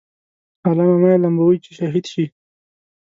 عالمه مه یې لمبوئ چې شهید شي.